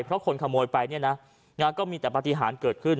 เพราะคนขโมยไปเนี่ยนะก็มีแต่ปฏิหารเกิดขึ้น